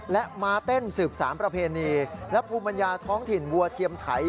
และมาเต้นสืบสารประเพณีและภูมิปัญญาท้องถิ่นวัวเทียมไถ